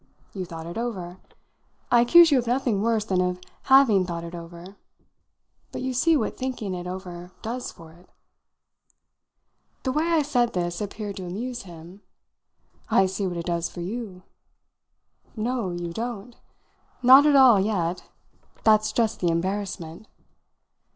You thought it over. I accuse you of nothing worse than of having thought it over. But you see what thinking it over does for it." The way I said this appeared to amuse him. "I see what it does for you!" "No, you don't! Not at all yet. That's just the embarrassment."